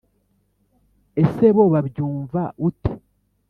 esebo babyumva ute